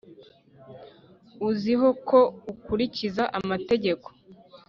uziho ko akurikiza amategeko,